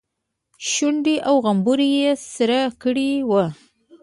شونډې او غومبري يې سره کړي وو.